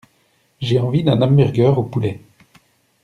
J'ai envie d'un hamburger au poulet.